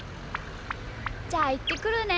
じゃあいってくるね。